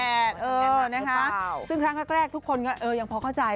เออนะคะซึ่งครั้งแรกทุกคนก็ยังพอเข้าใจ